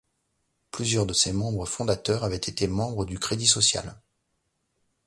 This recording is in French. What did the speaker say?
Plusieurs de ses membres fondateurs avaient été membres du Crédit social.